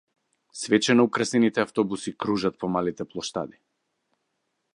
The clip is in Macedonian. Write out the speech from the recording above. Свечено украсените автобуси кружат по малите плоштади.